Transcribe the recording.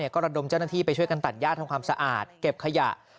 ก็ระดมเจ้าหน้าที่ไปช่วยกันตัดญาติทำความสะอาดเก็บขยะ